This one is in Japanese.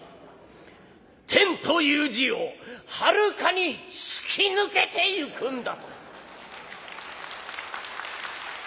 天という字をはるかに突き抜けていくんだ』と」。